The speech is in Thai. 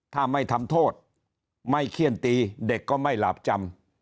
ถ้าไม่ทำโทษไม่เขี้ยนตีเด็กก็ไม่หลาบจำ